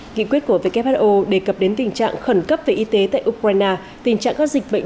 nghị quyết của who đề cập đến tình trạng khẩn cấp về y tế tại ukraine tình trạng các dịch bệnh